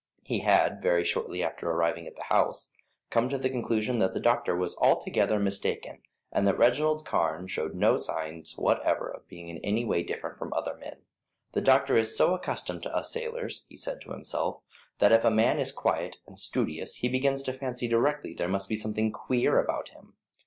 He had, very shortly after arriving at the house, come to the conclusion that the doctor was altogether mistaken, and that Reginald Carne showed no signs whatever of being in any way different from other men. "The doctor is so accustomed to us sailors," he said to himself, "that if a man is quiet and studious he begins to fancy directly there must be something queer about him.